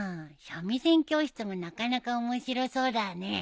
三味線教室もなかなか面白そうだね。